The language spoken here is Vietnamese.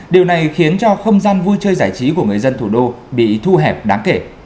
điều này khiến cho không gian vui chơi giải trí của người dân thủ đô bị thu hẹp đáng kể